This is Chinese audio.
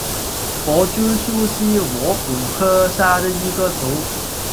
薄竹属是禾本科下的一个属。